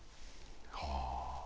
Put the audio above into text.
はあ。